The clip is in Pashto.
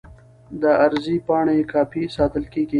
د عرض پاڼې کاپي ساتل کیږي.